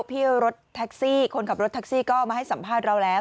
พี่รถแท็กซี่คนขับรถแท็กซี่ก็มาให้สัมภาษณ์เราแล้ว